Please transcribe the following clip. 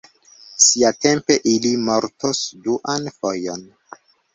Siatempe ili mortos duan fojon.